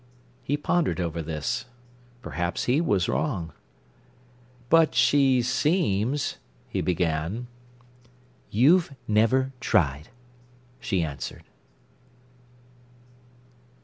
He pondered over this. Perhaps he was wrong. "But she seems—" he began. "You've never tried," she answered.